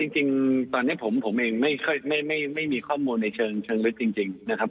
จริงตอนนี้ผมเองไม่มีข้อมูลในเชิงลึกจริงนะครับ